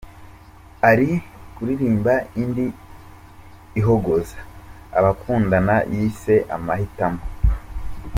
Ari kuririmba indi ihogoza abakundana yise ‘Amahitamo’.